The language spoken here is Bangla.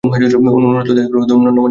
অনুন্নত দেশগুলো নমনীয় করার পক্ষে ছিল।